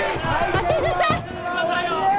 鷲津さん。